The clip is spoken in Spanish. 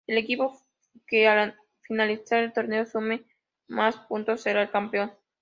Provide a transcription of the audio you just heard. El equipo que al finalizar el torneo sume más puntos será el campeón.